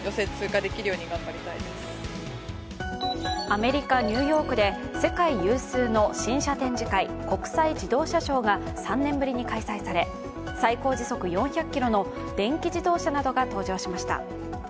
アメリカ・ニューヨークで世界有数の新車展示会国際自動車ショーが３年ぶりに開催され、最高時速４００キロの電気自動車などが登場しました。